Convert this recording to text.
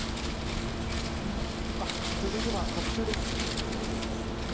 あっ、続いては特集です。